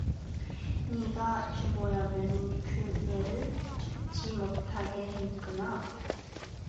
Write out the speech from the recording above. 네가 죽어야 되는 그 애를 죽지 못하게 했구나?